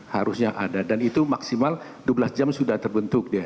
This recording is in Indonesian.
harusnya ada dan itu maksimal dua belas jam sudah terbentuk dia